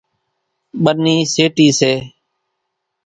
ٻنِي سيٽيَ سي۔